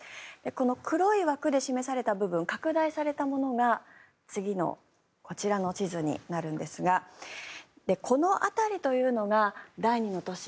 この黒い枠で示された部分拡大されたものが次のこちらの地図になるんですがこの辺りというのが第２の都市